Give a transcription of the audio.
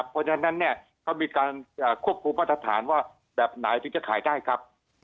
เพราะฉะนั้นเนี่ยเขามีการควบคุมมาตรฐานว่าแบบไหนถึงจะขายได้ครับ